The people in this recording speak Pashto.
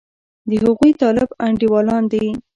د هغوی طالب انډېوالان دي.